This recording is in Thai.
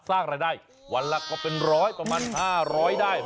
สร้างรายได้วันละก็เป็นร้อยประมาณ๕๐๐ได้